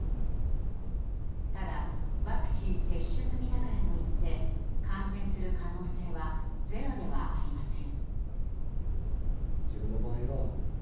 ただ、ワクチン接種済みだからと言って感染する可能性はゼロではありません。